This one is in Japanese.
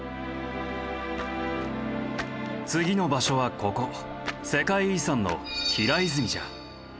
次の場所はここ世界遺産の平泉じゃ。